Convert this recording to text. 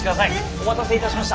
お待たせいたしました。